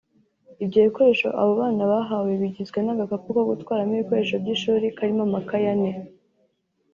Ibyo bikoresho abo bana bahawe bigizwe n’agakapu ko gutwaramo ibikoresho by’ishuri karimo amakaye ane